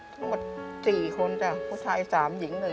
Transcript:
ทั้งหมด๔คนผู้ชาย๓หญิง๑